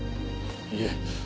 いえ。